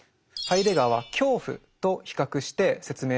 ハイデガーは「恐怖」と比較して説明しています。